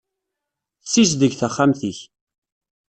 Ssizdeg taxxamt-ik.